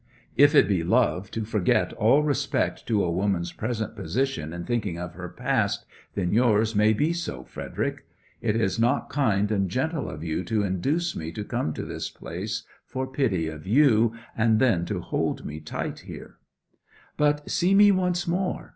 If it be love to forget all respect to a woman's present position in thinking of her past, then yours may be so, Frederick. It is not kind and gentle of you to induce me to come to this place for pity of you, and then to hold me tight here.' 'But see me once more!